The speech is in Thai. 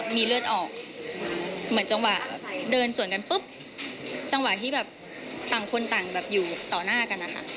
มีเลือดออกเหมือนจังหวะแบบเดินสวนกันปุ๊บจังหวะที่แบบต่างคนต่างแบบอยู่ต่อหน้ากันนะคะ